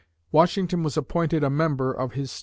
Washington was appointed a member of his staff.